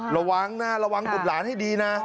ละวังนะละวังตรงกรรมให้ดีนะ